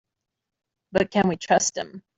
But can we trust him?